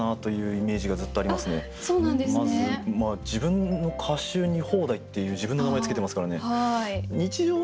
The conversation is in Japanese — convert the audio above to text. まず自分の歌集に「方代」っていう自分の名前付けてますからね。